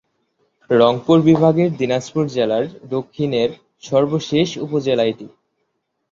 রংপুর বিভাগের দিনাজপুর জেলার দক্ষিণের সর্বশেষ উপজেলা এটি।